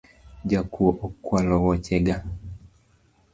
Jakuo okwalo woche ga.